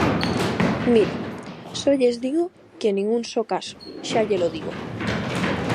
Mire, só lles digo que nin un só caso, xa llelo digo.